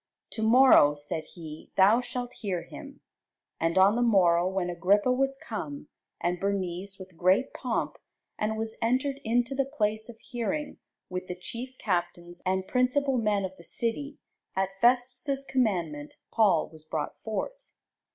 To morrow, said he, thou shalt hear him. And on the morrow, when Agrippa was come, and Bernice, with great pomp, and was entered into the place of hearing, with the chief captains, and principal men of the city, at Festus' commandment Paul was brought forth.